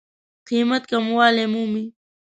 قېمت کموالی مومي.